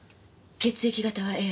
血液型はＡ。